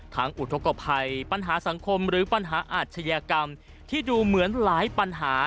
อุทธกภัยปัญหาสังคมหรือปัญหาอาชญากรรมที่ดูเหมือนหลายปัญหา